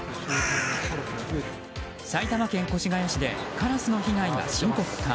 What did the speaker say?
埼玉県越谷市でカラスの被害が深刻化。